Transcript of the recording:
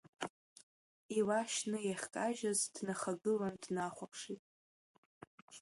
Ила шьны иахькажьыз днахагылан, днахәаԥшит.